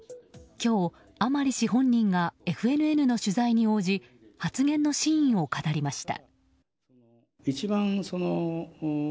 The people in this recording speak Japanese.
今日、甘利氏本人がＦＮＮの取材に応じ発言の真意を語りました。